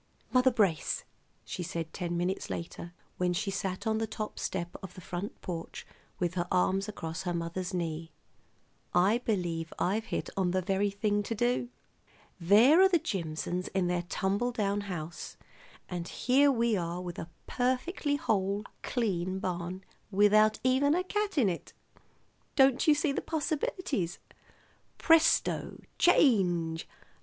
"Mother Brace," she said ten minutes later, when she sat on the top step of the front porch with her arms across her mother's knee. "I believe I've hit on the very thing to do. There are the Jimsons in their tumble down house, and here are we with a perfectly whole, clean barn without even a cat in it. Don't you see the possibilities? Presto! Change!